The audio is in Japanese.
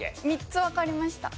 ３つわかりました。